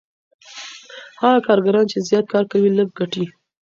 هغه کارګران چي زیات کار کوي لږ ګټي.